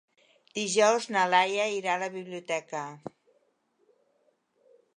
Dijous na Laia irà a la biblioteca.